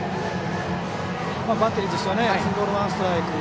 バッテリーとしてはツーボール、ワンストライク